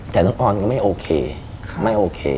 แต่น้องออนก็ไม่โอเคไม่โอเค